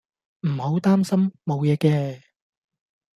唔好擔心，無嘢嘅